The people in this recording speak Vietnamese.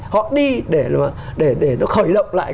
họ đi để nó khởi động lại